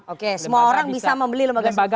oke semua orang bisa membeli lembaga seperti itu ya